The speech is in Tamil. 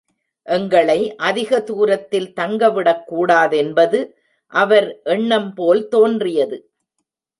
எங்களை அதிக தூரத்தில் தங்கவிடக் கூடாதென்பது அவர் எண்ணம்போல் தோன்றியது.